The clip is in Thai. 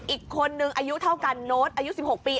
อีกคนนึงอายุเท่ากันโน้ตอายุ๑๖ปี